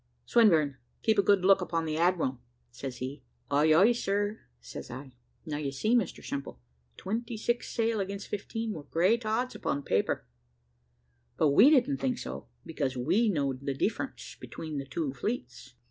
`Swinburne, keep a good look upon the admiral,' says he. `Ay, ay, sir,' says I. Now, you see, Mr Simple, twenty six sail against fifteen were great odds upon paper; but we didn't think so, because we know'd the difference between the two fleets.